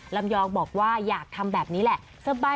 ลำยองบอกว่าอยากทำแบบนี้แหละ